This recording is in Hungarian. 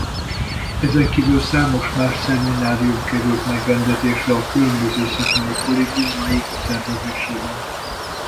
Ezen kívül számos más szeminárium kerül megrendezésre a különböző szakmai kollégiumaik szervezésében.